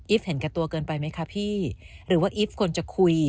เห็นแก่ตัวเกินไปไหมคะพี่หรือว่าอีฟควรจะคุย